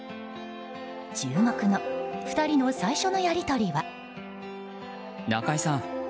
注目の２人の最初のやり取りは。